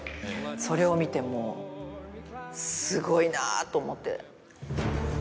それを見てもうすごいなぁと思って。